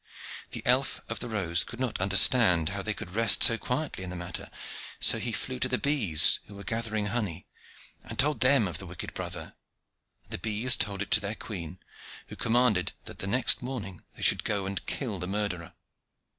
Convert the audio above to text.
The elf of the rose could not understand how they could rest so quietly in the matter, so he flew to the bees, who were gathering honey, and told them of the wicked brother. And the bees told it to their queen, who commanded that the next morning they should go and kill the murderer.